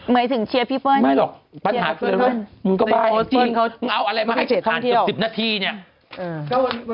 หมายถึงเชียร์พี่เปิ้ลไม่หรอกปัญหาเที่ยวท่องเที่ยว